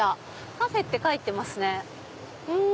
カフェって書いてますね。